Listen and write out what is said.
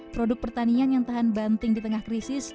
produk pertanian yang tahan banting di tengah krisis